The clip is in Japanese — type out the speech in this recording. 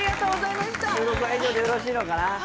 収録は以上でよろしいのかな。